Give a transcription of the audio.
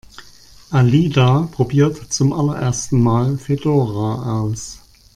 Alida probiert zum allerersten Mal Fedora aus.